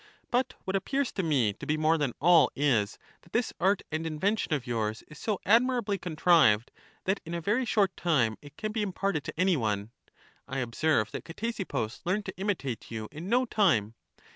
But what appears to me to be more than all is, that this art and invention of yours is so admirably contrived, that in a very short time it can be imparted to any one. I observe that Ctesippus learned to imi tate you in no time.